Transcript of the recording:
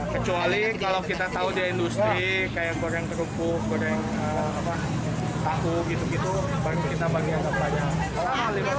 kecuali kalau kita tahu di industri kayak goreng kerupuk goreng tahu kita bagi yang terbanyak